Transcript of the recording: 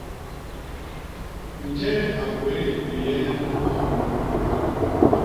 Njee a gwéé lipééyene munu hop unu?